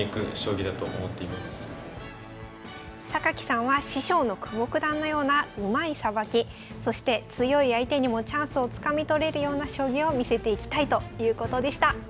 榊さんは師匠の久保九段のようなうまいさばきそして強い相手にもチャンスをつかみ取れるような将棋を見せていきたいということでした。